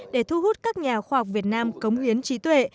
để thu hút các nhà khoa học việt nam cống hiến trí tuệ